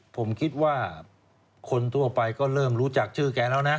ผมคิดว่าคนทั่วไปก็เริ่มรู้จักชื่อแกแล้วนะ